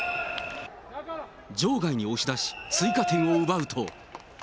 場外に押し出し、追加点を奪うと。